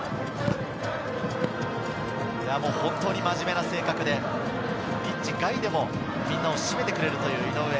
本当に真面目な性格で、ピッチ外でもみんなをしめてくれるという井上。